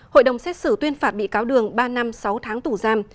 hội đồng xét xử tuyên phạt bị cáo đường ba năm sáu tháng tù giam